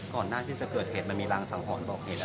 ก่อนหน้าที่จะเกิดเหตุมันมีรางสังหรณ์บอกเหตุแล้ว